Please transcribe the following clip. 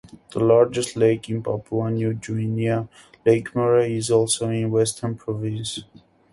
The largest lake in Papua New Guinea, Lake Murray, is also in Western Province.